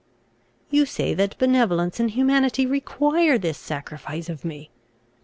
"You say that benevolence and humanity require this sacrifice of me.